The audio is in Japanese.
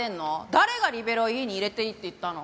誰がリベロウ家に入れていいって言ったの？